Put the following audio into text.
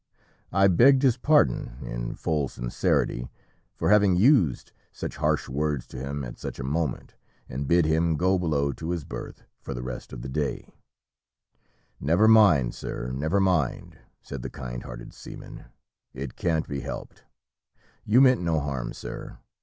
I begged his pardon, in full sincerity, for having used such harsh words to him at such a moment, and bid him go below to his birth for the rest of the day 'Never mind, sir, never mind,' said the kind hearted seaman, 'it can't be helped. You meant no harm, sir.